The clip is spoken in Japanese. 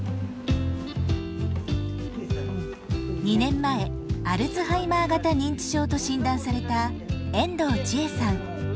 ２年前アルツハイマー型認知症と診断された遠藤チエさん。